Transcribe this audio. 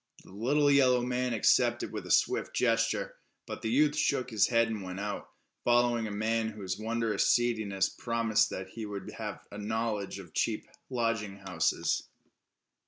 The little yellow man accepted with a swift gesture, but the youth shook his head and went out, following a man whose wondrous seediness promised that he would have a knowledge of cheap lodging houses.